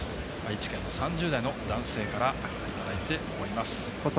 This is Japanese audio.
愛知県の３０代の男性からいただいております。